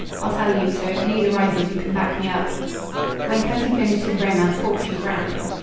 I'll tell you, so if need arises you can back me up." When Cutty finished his romance Hawksley frowned.